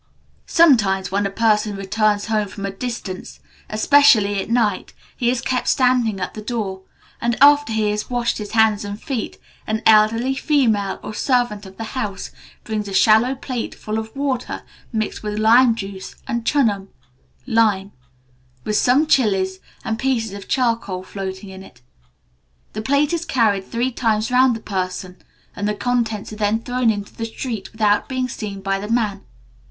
Sometimes, when a person returns home from a distance, especially at night, he is kept standing at the door, and, after he has washed his hands and feet, an elderly female or servant of the house brings a shallow plate full of water mixed with lime juice and chunam (lime), with some chillies and pieces of charcoal floating on it. The plate is carried three times round the person, and the contents are then thrown into the street without being seen by the man.